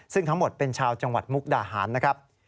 ซึ่งทั้งหมดเป็นชาวจังหวัดมุกดาหารนะครับ